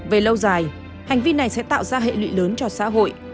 về lâu dài hành vi này sẽ tạo ra hệ lụy lớn cho xã hội